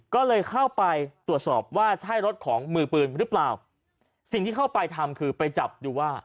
ก็เลยเข้าไปตรวจสอบว่าใช่รถของมือปืนหรือเปล่าสิ่งที่เข้าไปทำคือไปจับดูว่า